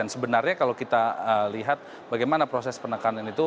sebenarnya kalau kita lihat bagaimana proses penekanan itu